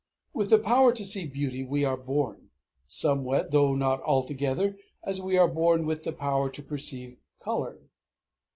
With the power to see beauty we are born somewhat, though not altogether, as we are born with the power to perceive color.